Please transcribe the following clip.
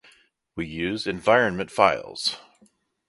We use environment files